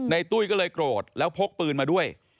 ตุ้ยก็เลยโกรธแล้วพกปืนมาด้วย